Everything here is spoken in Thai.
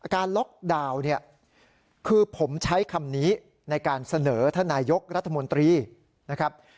ล็อกดาวน์เนี่ยคือผมใช้คำนี้ในการเสนอท่านนายกรัฐมนตรีนะครับ